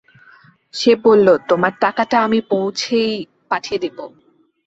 সে বলল, তোমার টাকাটা আমি পৌঁছেই পাঠিয়ে দিব।